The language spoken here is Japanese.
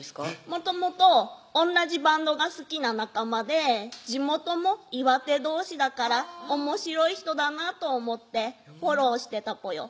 もともと同じバンドが好きな仲間で地元も岩手どうしだからおもしろい人だなと思ってフォローしてたぽよ